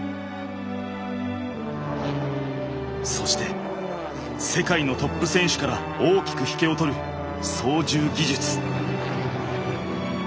そして世界のトップ選手から大きく引けを取る操縦技術。